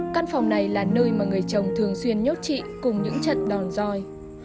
căn phòng này là nơi mà người chồng thường xuyên nhốt trị cùng những trận đòn roi